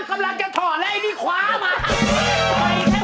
กำลังจะถอดแล้วไอ้นี่คว้ามา